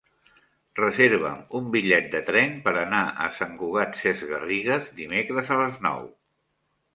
Reserva'm un bitllet de tren per anar a Sant Cugat Sesgarrigues dimecres a les nou.